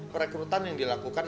perekrutan yang dilakukan